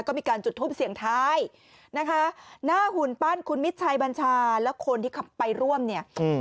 ก็มีการจุดทูปเสียงท้ายนะคะหน้าหุ่นปั้นคุณมิตรชัยบัญชาแล้วคนที่ไปร่วมเนี่ยอืม